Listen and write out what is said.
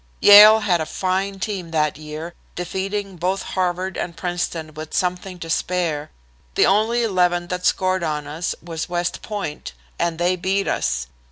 "Yale had a fine team that year, defeating both Harvard and Princeton with something to spare. The only eleven that scored on us was West Point, and they beat us.